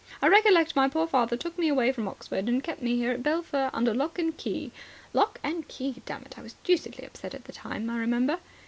I recollect my poor father took me away from Oxford and kept me here at Belpher under lock and key. Lock and key, dammit. I was deucedly upset at the time, I remember."